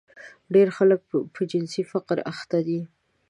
ډېری خلک په جنسي فقر اخته دي.